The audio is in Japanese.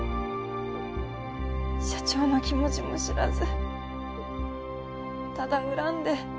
社長の気持ちも知らずただ恨んで。